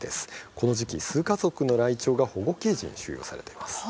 この時期、数家族のライチョウが保護ケージに収容されています。